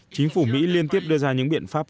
chính phủ mỹ liên tiếp đưa ra những biện pháp